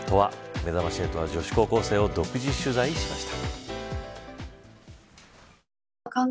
めざまし８は女子高校生を独自取材しました。